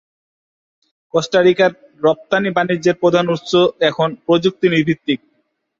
Costa রিকা’র রপ্তানি বাণিজ্যের প্রধান উৎস এখন প্রযুক্তি-ভিত্তিক।